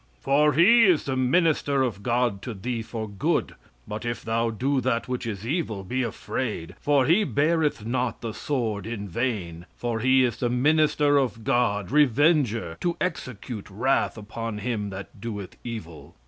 "For he is the minister of God to thee for good. But if thou do that which is evil, be afraid; for he beareth not the sword in vain; for he is the minister of God, revenger to execute wrath upon him that doeth evil.